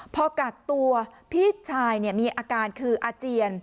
พอกักตัวพี่ชายมีอาการคืออาเจียน